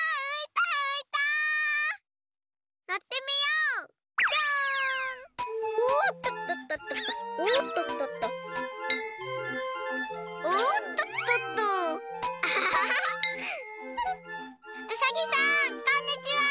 うさぎさんこんにちは！